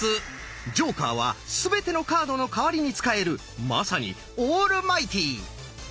ジョーカーはすべてのカードの代わりに使えるまさにオールマイティー！